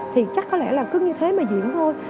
thì chắc có lẽ là cứ như thế mà diễn thôi